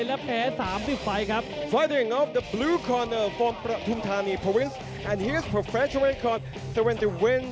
และคุณผู้ชมจะได้๗๐ไฟล์๗๐ไฟล์๓๐ไฟล์และ๒ไฟล์